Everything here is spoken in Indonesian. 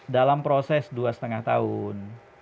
dalam proses dua lima tahun